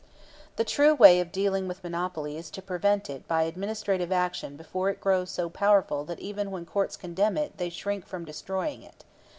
The true way of dealing with monopoly is to prevent it by administrative action before it grows so powerful that even when courts condemn it they shrink from destroying it.